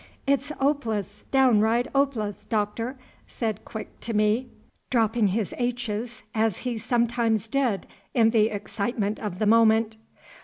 "It's 'opeless, downright 'opeless, Doctor," said Quick to me, dropping his h's, as he sometimes did in the excitement of the moment.